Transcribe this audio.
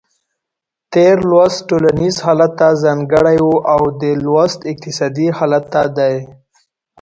تېر لوست ټولنیز حالت ته ځانګړی و او دا لوست اقتصادي حالت ته دی.